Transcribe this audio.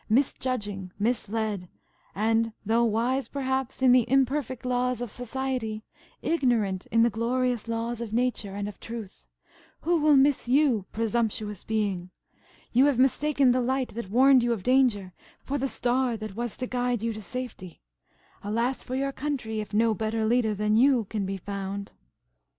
Misjudging, misled, and–though wise, perhaps, in the imperfect laws of society–ignorant in the glorious laws of Nature and of Truth–who will miss you, presumptuous being? You have mistaken the light that warned you of danger for the star that was to guide you to safety. Alas for your country, if no better leader than you can be found!"